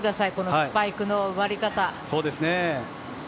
スパイクの埋まり方。